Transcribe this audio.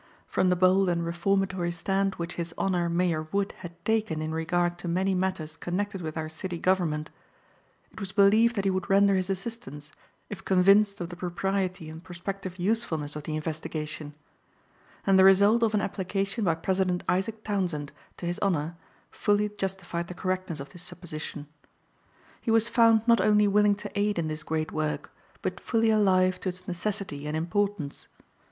From the bold and reformatory stand which his honor Mayor Wood had taken in regard to many matters connected with our city government, it was believed that he would render his assistance if convinced of the propriety and prospective usefulness of the investigation, and the result of an application by President Isaac Townsend to his honor fully justified the correctness of this supposition. He was found not only willing to aid in this great work, but fully alive to its necessity and importance.